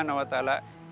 ditegur oleh allah swt